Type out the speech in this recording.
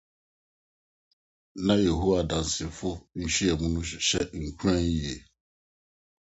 Na Yehowa Adansefo nhyiam no hyɛ nkuran yiye.